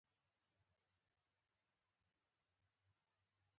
ما احمد ته پنځه زره افغانۍ قرض ورکړې.